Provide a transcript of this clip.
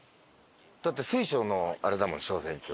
だって水晶のあれだもん昇仙峡。